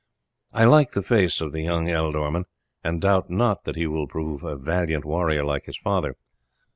I like the face of the young ealdorman, and doubt not that he will prove a valiant warrior like his father.